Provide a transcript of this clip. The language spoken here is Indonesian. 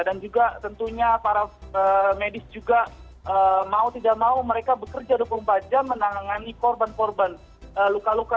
dan juga tentunya para medis juga mau tidak mau mereka bekerja dua puluh empat jam menangani korban korban luka luka